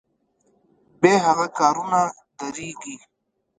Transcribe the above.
بې هغه کارونه دریږي.